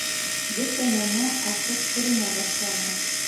Бөтә нәмә асыҡ күренә башланы.